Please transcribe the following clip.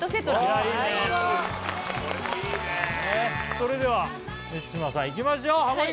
それでは満島さんいきましょうハモリ